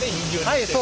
はい。